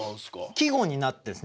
季語になってるんです。